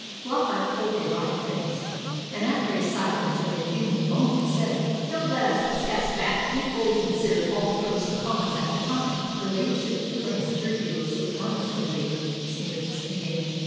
Flockart pulled a wry face, and after a silence of a few moments said, "Don't let us discuss that. We fully considered all the pros and cons, at the time." "Her ladyship is growing scrupulously honest of late," sneered his companion.